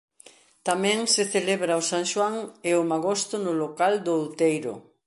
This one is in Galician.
Tamén se celebra o San Xoán e o magosto no local do Outeiro.